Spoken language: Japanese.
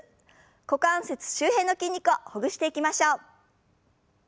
股関節周辺の筋肉をほぐしていきましょう。